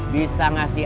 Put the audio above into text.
bisa ngasih aja di sini